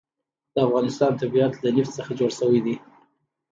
د افغانستان طبیعت له نفت څخه جوړ شوی دی.